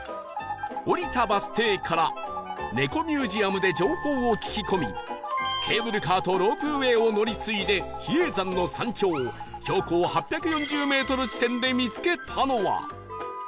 降りたバス停から猫ミュージアムで情報を聞き込みケーブルカーとロープウェイを乗り継いで比叡山の山頂標高８４０メートル地点で見つけたのは